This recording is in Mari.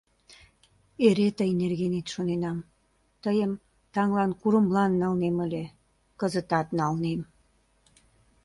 Эре тый нергенет шоненам... тыйым таҥлан курымлан налнем ыле, кызытат налнем....